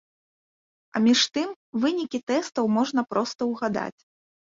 А між тым, вынікі тэстаў можна проста ўгадаць.